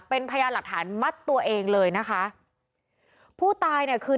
เป็นพยานหลักฐานมัดตัวเองเลยนะคะผู้ตายเนี่ยคือ